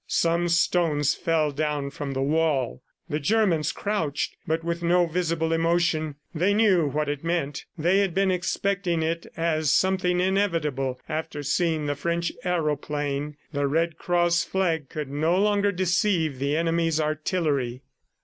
Some stones fell down from the wall. The Germans crouched but with no visible emotion. They knew what it meant; they had been expecting it as something inevitable after seeing the French aeroplane. The Red Cross flag could no longer deceive the enemy's artillery.